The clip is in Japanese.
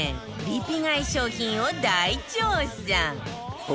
リピ買い商品を大調査！